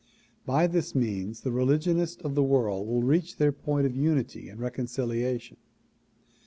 By this means the religionists of the world will reach their point of unity and reconciliation.